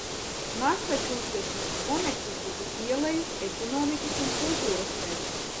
Masačūsetsas Konektikutas ielejas ekonomikas un kultūras centrs.